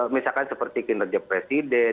misalkan seperti kinerja presiden